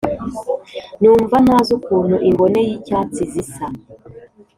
Numva ntazi ukuntu imbone z’icyatsi zisa